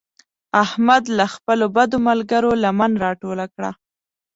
احمد له خپلو بدو ملګرو لمن راټوله کړه.